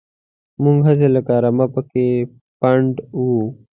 موږ هسې لکه رمه پکې پنډ وو.